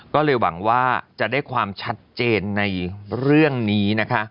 ก็เลยหวังว่าจะได้ความชัดเจนในเรื่องนี้นะคะ